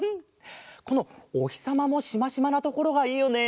このおひさまもしましまなところがいいよね。